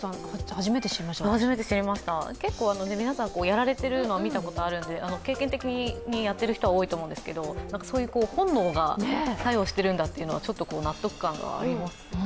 初めて知りました、結構皆さんやられてるのは見たことあるので経験的にやっている人は多いと思うんですけれども、そういう本能が作用しているんだって、納得感がありますね。